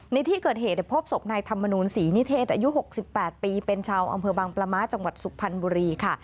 ในที่เกิดเหตุพบศพนายธรรมนูลศรีนิเทศอายุ๖๘ปีเป็นชาวอำเภอบางปลาม้าจังหวัดสุพรรณบุรีค่ะ